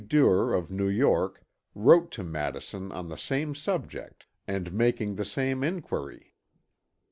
Duer of New York wrote to Madison on the same subject and making the same inquiry.